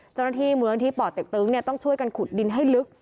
เจ้าหน้าที่หมู่ร้านที่ป่อเตะตึ๊งเนี่ยต้องช่วยกันขุดดินให้ลึก